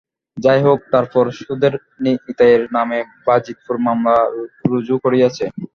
যাই হোক, তারপর সুদেব নিতাইয়ের নামে বাজিতপুরে মামলা রুজু করিয়াছে।